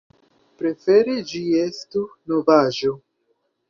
Prefere ĝi estu novaĵo.